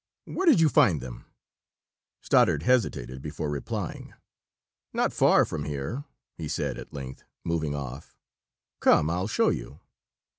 Where did you find them?" Stoddard hesitated before replying. "Not far from here," he said at length, moving off. "Come, I'll show you."